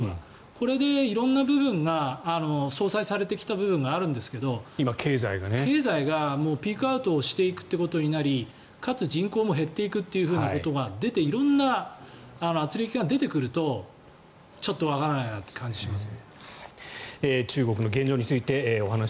これで色んな部分が相殺されてきた部分があるんですけど経済がピークアウトしていくということになりかつ、人口も減っていくということが出て色んなあつれきが出てくるとちょっとわからないなという感じがします。